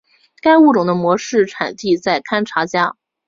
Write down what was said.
该物种的模式产地在堪察加。